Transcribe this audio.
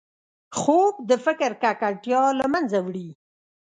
خوب د فکر ککړتیا له منځه وړي